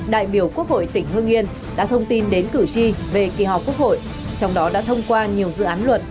đại biểu quốc hội tỉnh hương yên đã thông tin đến cử tri về kỳ họp quốc hội trong đó đã thông qua nhiều dự án luật